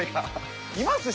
います？